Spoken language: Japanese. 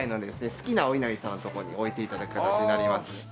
好きなお稲荷さんのとこに置いて頂く形になりますね。